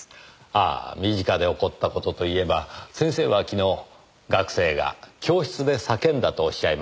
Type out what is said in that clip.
ああ身近で起こった事といえば先生は昨日学生が教室で叫んだとおっしゃいましたねぇ。